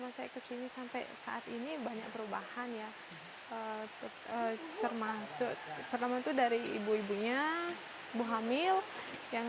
masa saya ke sini sampai saat ini banyak perubahan ya termasuk pertama itu dari ibu ibunya ibu hamil yang